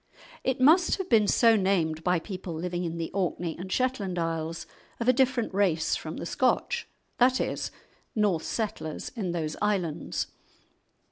It must have been so named by people living in the Orkney and Shetland isles, of a different race from the Scotch—that is, Norse settlers in those islands.